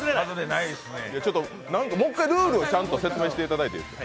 もう一回ルールをちゃんと説明していただいていいですか。